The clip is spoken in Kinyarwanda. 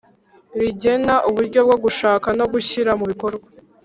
rigena uburyo bwo gushaka no gushyira mubikora